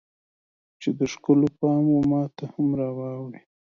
چې د ښکلو پام و ماته هم راواوړي